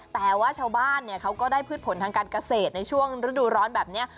แต่ว่าชาวบ้านเขาก็ได้พืชผลทางการเกษตรในช่วงฤดูร้อนแบบนี้